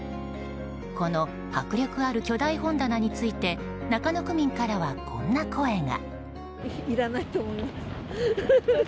この迫力ある巨大本棚について中野区民からはこんな声が。